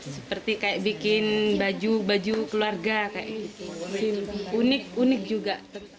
seperti bikin baju baju keluarga unik unik juga